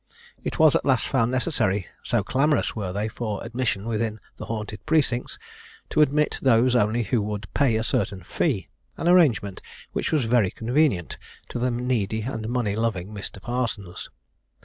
It was at last found necessary, so clamorous were they for admission within the haunted precincts, to admit those only who would pay a certain fee; an arrangement which was very convenient to the needy and money loving Mr. Parsons.